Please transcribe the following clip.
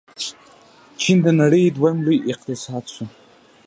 چین د نړۍ دویم لوی اقتصاد شو.